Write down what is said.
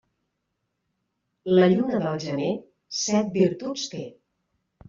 La lluna del gener, set virtuts té.